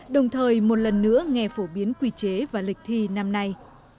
đồng thời một lần nữa nghe phổ biến quy chế và lịch thi năm nay